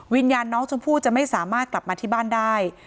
วิญญาณน้องชมพู่จะไม่สามารถกลับมาที่บ้านได้